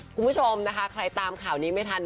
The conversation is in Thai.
คุณผู้ชมนะคะใครตามข่าวนี้ไม่ทัน